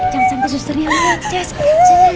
jangan sampai susernya liat sis